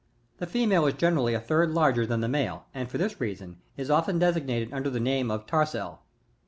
The female is generally a third larger than the male, and for this reason, is often designated under the name of tarsel.